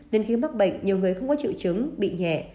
nên khi mắc bệnh nhiều người không có trự trứng bị nhẹ